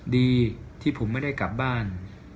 ดีที่ผมไม่ได้กลับบ้าน